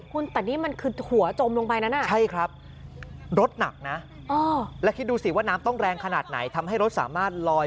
คุณแต่นี่มันคือหัวจมลงไปนะนะอ่า